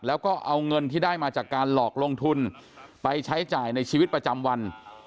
แล้วก็เอาเงินที่ได้มาจากการหลอกลงทุนไปใช้จ่ายในชีวิตประจำวัน